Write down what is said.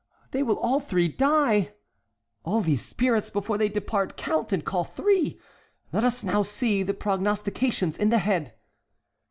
—they will all three die. All these spirits before they depart count and call three. Let us now see the prognostications in the head."